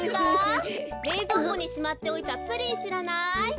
れいぞうこにしまっておいたプリンしらない？